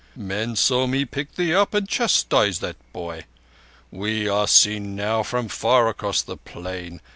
Men saw me pick thee up and chastise that boy. We are seen now from far across this plain.